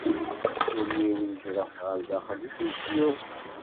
Ul-iw ijreḥ, ɣer daxel i tent-yuɣ.